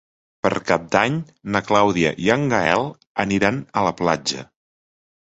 Per Cap d'Any na Clàudia i en Gaël aniran a la platja.